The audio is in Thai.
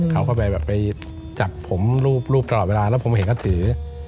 เขาก็ไปแบบไปจับผมรูปตลอดเวลาแล้วผมเห็นเขาถือ